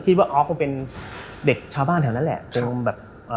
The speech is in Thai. คิดว่าอ๊อกคงเป็นเด็กชาวบ้านแถวนั้นแหละ